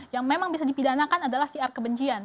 yang memang bisa dipidanakan adalah siar kebencian